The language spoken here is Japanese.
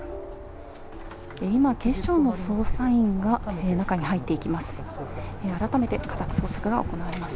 今、警視庁の捜査員が中に入っていきます。